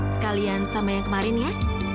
sekalian sama yang kemarin ya